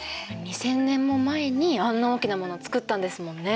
２，０００年も前にあんな大きなものつくったんですもんね。